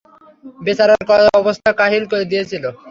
বেচারার অবস্থা কাহিল করে দিয়েছিলে।